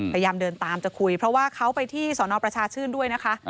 พยายามเดินตามจะคุยเพราะว่าเขาไปที่สอนอประชาชื่นด้วยนะคะ